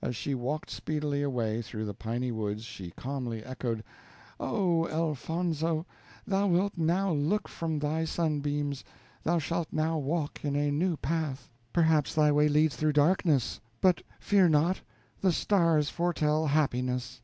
As she walked speedily away through the piny woods she calmly echoed: "O! Elfonzo, thou wilt now look from thy sunbeams. Thou shalt now walk in a new path perhaps thy way leads through darkness; but fear not, the stars foretell happiness."